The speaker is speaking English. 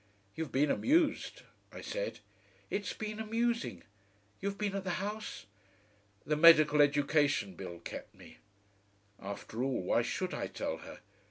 "You've been amused," I said. "It's been amusing. You've been at the House?" "The Medical Education Bill kept me."... After all, why should I tell her?